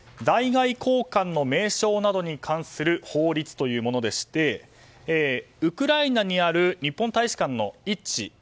在外公館の名称などに関する法律というものでしてウクライナにある日本大使館の位置